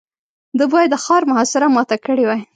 ده بايد د ښار محاصره ماته کړې وای.